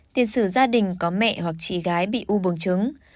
tiền sử gia đình có mẹ hoặc chị gái bị u buồng trứng